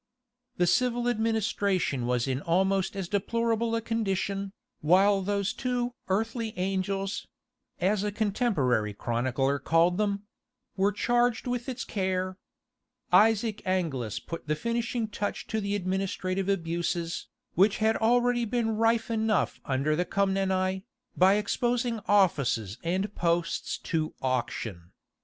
The civil administration was in almost as deplorable a condition, while those two "Earthly Angels" (as a contemporary chronicler called them) were charged with its care. Isaac Angelus put the finishing touch to administrative abuses, which had already been rife enough under the Comneni, by exposing offices and posts to auction.